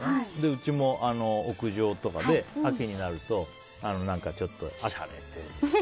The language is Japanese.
うちも屋上とかで秋になるとちょっとしゃれてるやつを。